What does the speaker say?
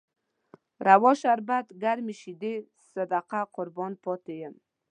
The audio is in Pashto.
روا شراب، ګرمې شيدې، صدقه قربان پاتې يم